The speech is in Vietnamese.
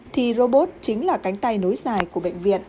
thì robot chính là cánh tay nối dài của bệnh viện